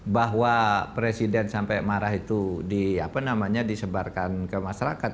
bahwa presiden sampai marah itu disebarkan ke masyarakat